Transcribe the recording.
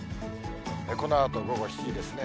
このあと午後７時ですね。